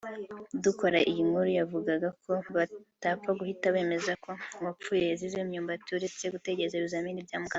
dukora iyi nkuru yavugaga ko batapfa guhita bemeza ko uwapfuye yazize imyumbati uretse gutegereza ibizamini bya muganga